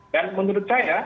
dan menurut saya